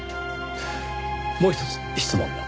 もうひとつ質問が。